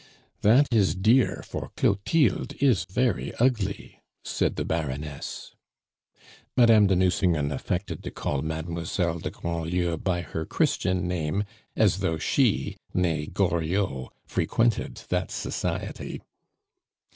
"That is dear, for Clotilde is very ugly," said the Baroness. Madame de Nucingen affected to call Mademoiselle de Grandlieu by her Christian name, as though she, nee Goriot, frequented that society.